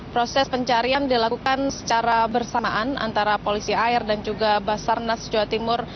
proses pencarian dilakukan secara bersamaan antara polisi air dan juga basarnas jawa timur